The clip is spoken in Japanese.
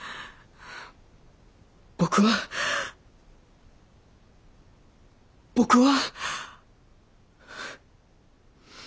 僕は僕は。